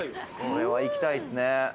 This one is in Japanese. これはいきたいっすね。